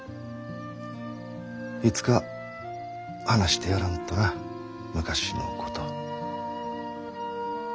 いつか話してやらんとな昔のこと。